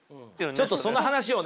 ちょっとその話をね